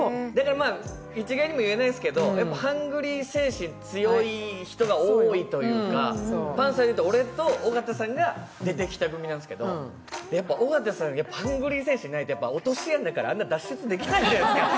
一概には言えないんですけど、ハングリー精神強い人が多いというか、パンサーで言うと俺と尾形さんが出てきた組なんですけど、やっぱ尾形さん、ハンガリー精神がないと、落とし穴、あんなできないじゃないですか。